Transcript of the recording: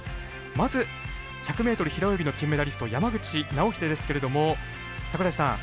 まず１００ｍ平泳ぎの金メダリスト山口尚秀ですけれども櫻井さん